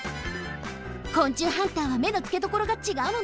昆虫ハンターはめのつけどころがちがうのね。